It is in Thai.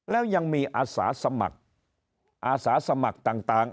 แล้วยังมีอาสาสมัครอาสาสมัครต่าง